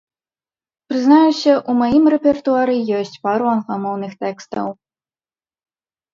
Прызнаюся, у маім рэпертуары ёсць пару англамоўных тэкстаў.